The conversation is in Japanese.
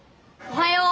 おはよう。